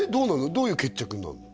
どういう決着になんの？